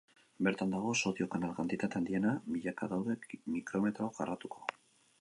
Bertan dago sodio kanal kantitate handiena, milaka daude mikrometro karratuko.